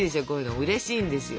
うれしいんですよ。